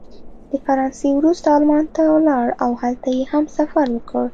د فرانسې وروسته المان ته ولاړ او هلته یې هم سفر وکړ.